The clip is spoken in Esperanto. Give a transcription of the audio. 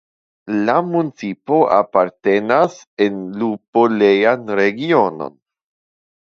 La municipo apartenas en lupolejan regionon.